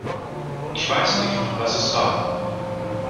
Ich weiß nicht, was es war.